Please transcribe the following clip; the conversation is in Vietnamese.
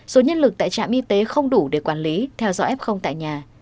số nhân lực tại trạm y tế không đủ để quản lý theo dõi f tại nhà